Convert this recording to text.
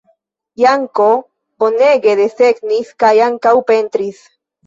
Janko bonege desegnis kaj ankaŭ pentris.